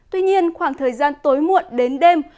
tuy nhiên khoảng thời gian tối muộn đến đêm